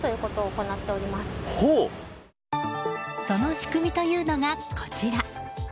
その仕組みというのが、こちら。